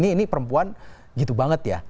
ini perempuan gitu banget ya